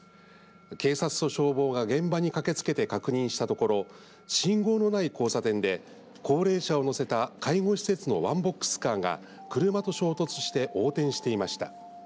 警察と消防が現場に駆けつけて確認したところ信号のない交差点で高齢者を乗せた介護施設のワンボックスカーが車と衝突して横転していました。